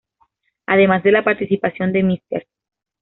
Además de la participación de Mr.